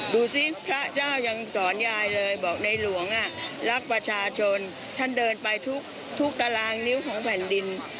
ดูสิพระเจ้ายังสอนยายเลยบอกในหลวงรักประชาชนท่านเดินไปทุกตารางนิ้วของแผ่นดิน